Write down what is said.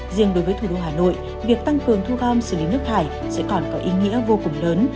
riêng đối với thủ đô hà nội việc tăng cường thu gom xử lý nước thải sẽ còn có ý nghĩa vô cùng lớn